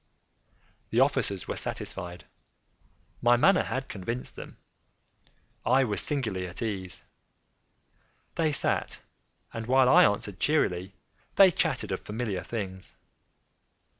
The officers were satisfied. My manner had convinced them. I was singularly at ease. They sat, and while I answered cheerily, they chatted of familiar things.